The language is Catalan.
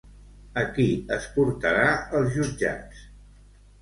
A qui es portarà als jutjats?